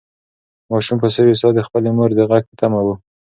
ماشوم په سوې ساه د خپلې مور د غږ په تمه و.